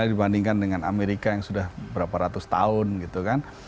dibandingkan dengan amerika yang sudah berapa ratus tahun gitu kan